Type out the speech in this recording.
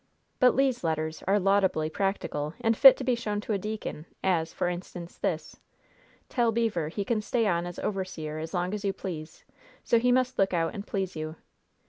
But Le's letters are laudably practical and fit to be shown to a deacon, as, for instance, this: "'Tell Beever he can stay on as overseer as long as you please; so he must look out and please you.